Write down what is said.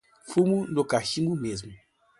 Fumo no cachimbo, mesmo!